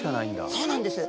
そうなんです！